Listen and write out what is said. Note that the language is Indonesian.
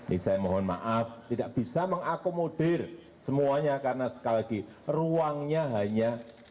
ini saya mohon maaf tidak bisa mengakomodir semuanya karena sekali lagi ruangnya hanya